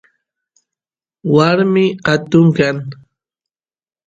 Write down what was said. warmi atun kan